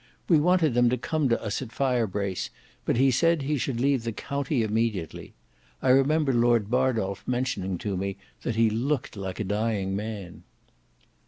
We wanted them to come to us at Firebrace, but he said he should leave the county immediately. I remember Lord Bardolf mentioning to me, that he looked like a dying man."